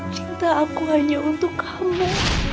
cinta aku hanya untuk kamu